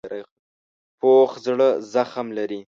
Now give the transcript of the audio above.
پوخ زړه زغم لري